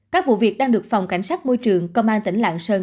các vụ việc đang được phòng cảnh sát môi trường công an tỉnh lạng sơn